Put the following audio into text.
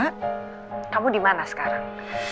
kamu dimana sekarang